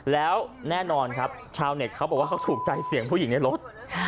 แล้วแน่นอนครับชาวเน็ตเขาบอกว่าเขาถูกใจเสียงผู้หญิงในรถ